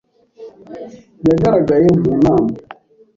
Yagaragaye mu nama?